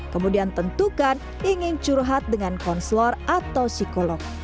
kemudian tentukan ingin curhat dengan konslor atau psikolog